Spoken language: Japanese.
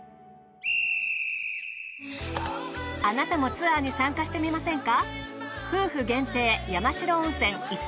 あなたもツアーに参加してみませんか？